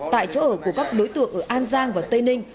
tại chỗ ở của các đối tượng ở an giang và tây ninh